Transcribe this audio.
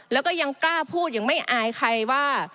แล้วก็ยังกล้าพูดยังไม่อายใครว่า